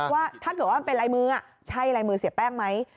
ว่าถ้าเกิดว่ามันเป็นลายมือใช่ลายมือเสียแป้งไหม